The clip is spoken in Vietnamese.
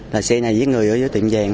là xe này giết người ở dưới tiệm vàng